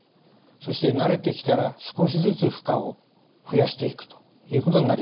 そして慣れてきたら少しずつ負荷を増やしていくということになります。